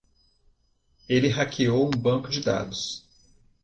Ele hackeou um banco de dados.